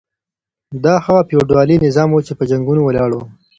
دا هغه فيوډالي نظام و چي په جنګونو ولاړ و.